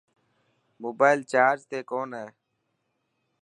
موبائل چارج تي ڪون هي.